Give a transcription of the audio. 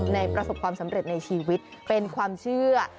ประสบความสำเร็จในชีวิตเป็นความเชื่อ